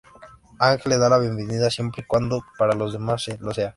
Aang le da la bienvenida siempre y cuando para los demás lo sea.